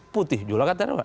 putih juga kata relawan